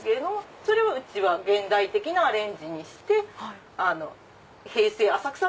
それをうちは現代的なアレンジにして平成ＡＳＡＫＵＳＡ